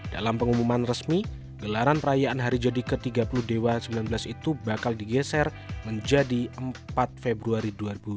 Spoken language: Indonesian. dalam pengumuman resmi gelaran perayaan hari jadi ke tiga puluh dewa sembilan belas itu bakal digeser menjadi empat februari dua ribu dua puluh